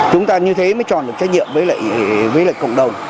chúng ta như thế mới chọn được trách nhiệm với lại cộng đồng